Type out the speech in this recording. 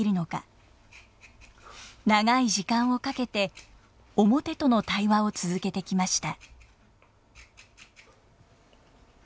長い時間をかけて面との対話を続けてきました。